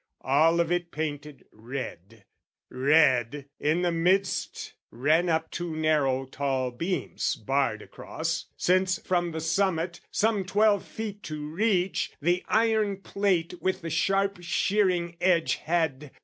All of it painted red: red, in the midst, Ran up two narrow tall beams barred across, Since from the summit, some twelve feet to reach, The iron plate with the sharp shearing edge Had...